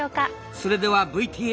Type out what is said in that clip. それではＶＴＲ。